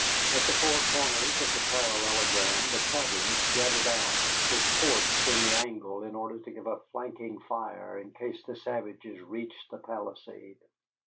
At the four corners of the parallelogram the cabins jutted out, with ports in the angle in order to give a flanking fire in case the savages reached the palisade.